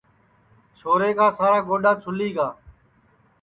چھورا کا سارا گوڈؔا چُھولی گا